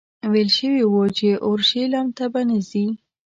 ویل شوي وو چې اورشلیم ته به نه ځې.